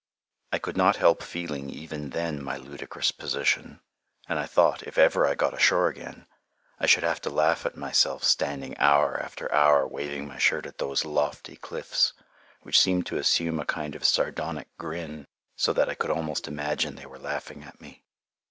I could not help feeling, even then, my ludicrous position, and I thought, if ever I got ashore again, I should have to laugh at myself standing hour after hour waving my shirt at those lofty cliffs, which seemed to assume a kind of sardonic grin, so that I could almost imagine they were laughing at me.